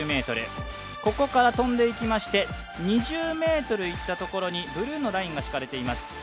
ここから飛んでいきまして２０ｍ行ったところにブルーのラインが引かれています。